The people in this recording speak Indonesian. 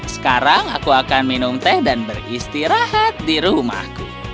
sekarang aku akan minum teh dan beristirahat di rumahku